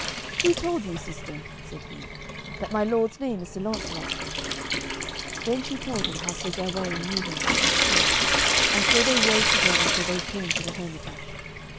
"Who told you, sister," said he, "that my lord's name is Sir Launcelot?" Then she told him how Sir Gawaine knew him by his shield, and so they rode together till they came to the hermitage.